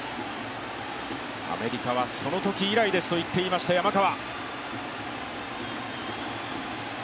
アメリカはそのとき以来ですと言っていました、山川。